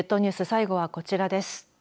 最後はこちらです。